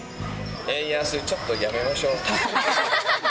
円安ちょっとやめましょう。